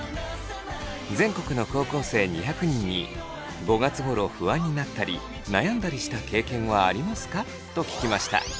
全国の高校生２００人に「５月ごろ不安になったり悩んだりした経験はありますか？」と聞きました。